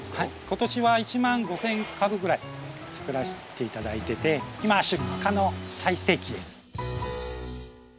今年は１万５千株ぐらいつくらせて頂いてて今出荷の最盛期です。